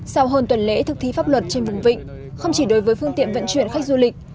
sau hơn tuần lễ thực thi pháp luật trên vùng vịnh không chỉ đối với phương tiện vận chuyển khách du lịch